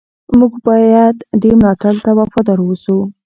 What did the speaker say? موږ باید دې ملاتړ ته وفادار اوسو.